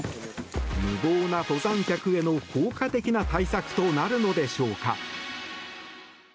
無謀な登山客への効果的な対策となるのでしょうか。